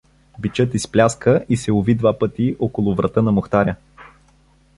Бичът изпляска и се уви два пъти около врата на мухтаря.